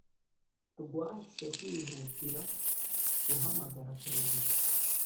rwahise rwihutira guhamagarira Perezida